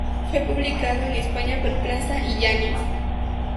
Fue publicado en España por Plaza y Janes.